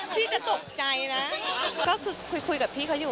พี่จะตกใจนะก็คือคุยกับพี่เค้าอยู่อ่ะค่ะ